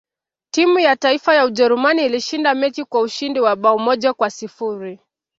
timu ya taifa ya ujerumani ilishinda mechi kwa ushindi wa bao moja kwa sifuri